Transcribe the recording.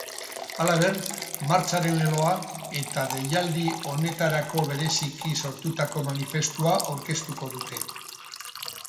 Halaber, martxaren leloa eta deialdi honetarako bereziki sortutako manifestua aurkeztuko dute.